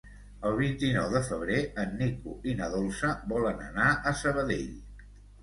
El vint-i-nou de febrer en Nico i na Dolça volen anar a Sabadell.